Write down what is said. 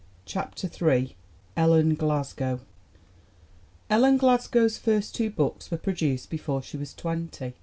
CHAPTER III ELLEN GLASGOW ELLEN GLASGOW'S first two books were pro duced before she was twenty.